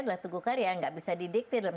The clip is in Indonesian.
adalah tugu karya nggak bisa didiktir dalam